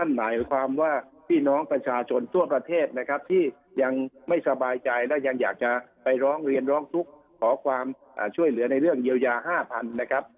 หมายความว่าพี่น้องประชาชนทั่วประเทศนะครับที่ยังไม่สบายใจและยังอยากจะไปร้องเรียนร้องทุกข์ขอความช่วยเหลือในเรื่องเยียวยา๕๐๐๐นะครับ